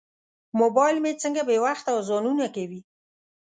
موبایل مې څنګه بې وخته اذانونه کوي.